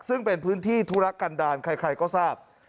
ซึ่งเป็นพื้นที่ธุระกันดาลใครก็ทราบ